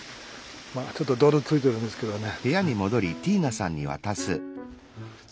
ちょっと泥ついてるんですけどね。